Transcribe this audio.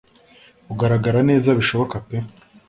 ugaragara neza bishoboka pe